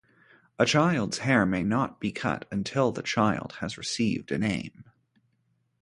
A child's hair may not be cut until the child has received a name.